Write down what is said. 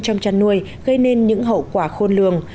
trong chăn nuôi gây nên những hậu quả khôn lường